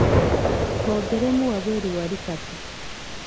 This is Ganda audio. Twogeremu wabweru wali kati.